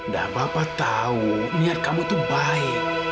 dan bapak tahu niat kamu itu baik